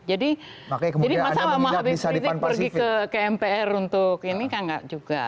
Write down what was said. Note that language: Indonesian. jadi masalahnya habib rizik pergi ke mpr untuk ini kan enggak juga